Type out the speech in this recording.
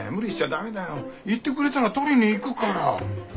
言ってくれたら取りに行くから！